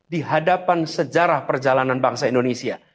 di hadapan sejarah perjalanan bangsa indonesia